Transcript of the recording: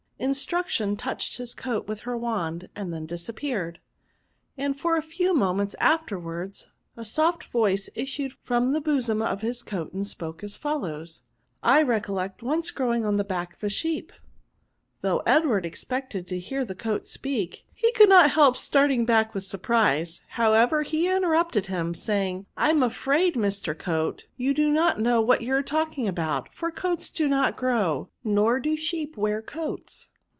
Instruction touched his coat with her wand, and then disappeared ; and a few moments afterwards a soft voice issued from the bosom of his coat and spoke as follows :—I recollect once growing on the back of a sheep." Though Edward expected to hear the coat speak, he could not help starting back with surprise ; however, he interrupted him, saying, " I am afraid, Mr. Coat, you do Q 3 i 74 PRONOUNS* not know what you are talking about ; fof coats do not grow^ nor do sheep wear coats."